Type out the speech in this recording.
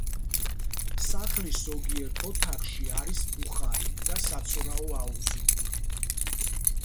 სახლის ზოგიერთ ოთახში არის ბუხარი და საცურაო აუზი.